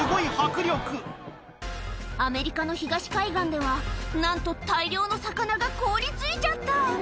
アメリカの東海岸では、なんと大量の魚が凍りついちゃった。